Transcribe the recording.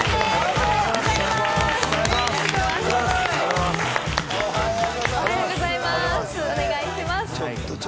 おはよおはようございます。